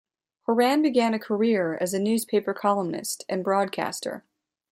Horan began a career as a newspaper columnist and broadcaster.